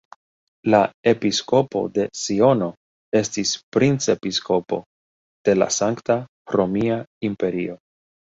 La episkopo de Siono estis princepiskopo de la Sankta Romia Imperio.